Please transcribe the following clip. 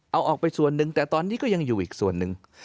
เอาออกไปส่วนหนึ่งแต่ตอนนี้ก็ยังอยู่อีกส่วนหนึ่ง